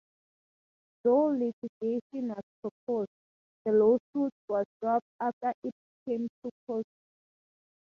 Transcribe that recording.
Though litigation was proposed, the lawsuit was dropped after it became too costly.